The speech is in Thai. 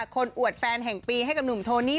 อวดแฟนแห่งปีให้กับหนุ่มโทนี่